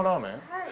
はい。